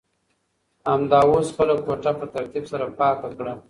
همدا اوس خپله کوټه په ترتیب سره پاکه کړه.